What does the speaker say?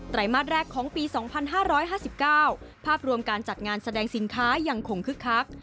มาสแรกของปี๒๕๕๙ภาพรวมการจัดงานแสดงสินค้ายังคงคึกคัก